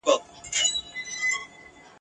که دي چیري په هنیداره کي سړی وو تېرایستلی ..